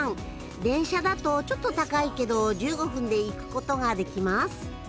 電車だとちょっと高いけど１５分で行く事ができます。